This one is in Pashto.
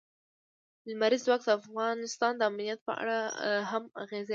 لمریز ځواک د افغانستان د امنیت په اړه هم اغېز لري.